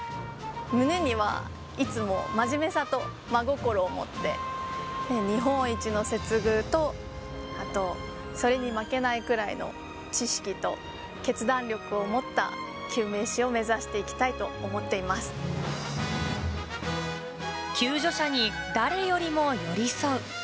胸には、いつも真面目さと真心を持って、日本一の接遇と、あとそれに負けないくらいの知識と決断力を持った救命士を目指し救助者に誰よりも寄り添う。